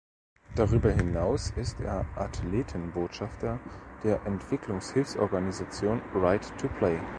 Darüber hinaus ist er Athletenbotschafter der Entwicklungshilfeorganisation Right to Play.